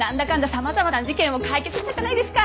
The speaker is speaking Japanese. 様々な事件を解決したじゃないですか！